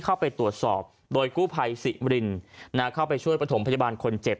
เข้าไปตรวจสอบโดยกู้ภัยสิมรินเข้าไปช่วยประถมพยาบาลคนเจ็บ